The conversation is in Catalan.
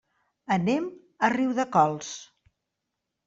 Anem a Riudecols.